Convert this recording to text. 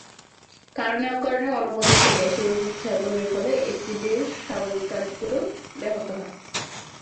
কারণে-অকারণে অনবরত গ্যাসের ওষুধ সেবনের ফলে অ্যাসিডের স্বাভাবিক কাজগুলো ব্যাহত হয়।